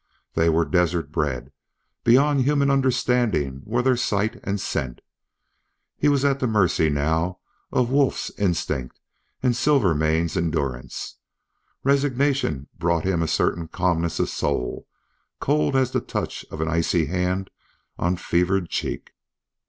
They were desert bred; beyond human understanding were their sight and scent. He was at the mercy now of Wolf's instinct and Silvermane's endurance. Resignation brought him a certain calmness of soul, cold as the touch of an icy hand on fevered cheek.